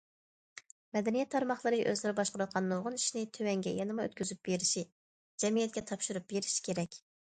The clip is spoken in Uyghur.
مەدەنىيەت تارماقلىرى ئۆزلىرى باشقۇرۇۋاتقان نۇرغۇن ئىشنى تۆۋەنگە يەنىمۇ ئۆتكۈزۈپ بېرىشى، جەمئىيەتكە تاپشۇرۇپ بېرىشى كېرەك.